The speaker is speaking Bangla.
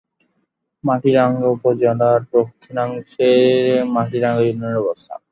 মাটিরাঙ্গা উপজেলার দক্ষিণাংশে মাটিরাঙ্গা ইউনিয়নের অবস্থান।